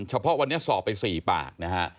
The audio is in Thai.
เฉพาะวันนี้สอบไป๔ปากนะฮะ